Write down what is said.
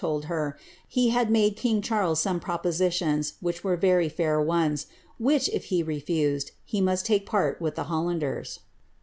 told her he had made 58 some propositions, which were very fair ones, which, if he must take part with the Hollanders.'